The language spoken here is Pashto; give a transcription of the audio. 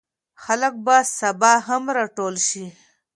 خلک به سبا هم راټول شي.